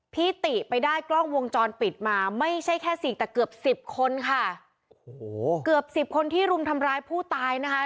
ติไปได้กล้องวงจรปิดมาไม่ใช่แค่สี่แต่เกือบสิบคนค่ะโอ้โหเกือบสิบคนที่รุมทำร้ายผู้ตายนะคะ